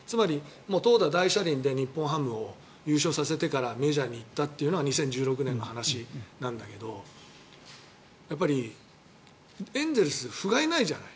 投打大車輪で日本ハムを優勝させてからメジャーに行ったというのが２０１６年の話なんだけどエンゼルスふがいないじゃない。